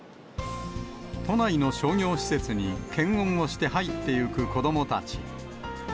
都内の商業施設に検温をして入っていく子どもたち。